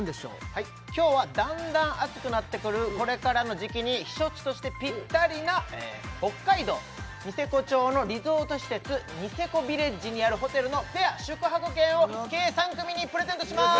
はい今日はだんだん暑くなってくるこれからの時期に避暑地としてピッタリな北海道ニセコ町のリゾート施設ニセコビレッジにあるホテルのペア宿泊券を計３組にプレゼントします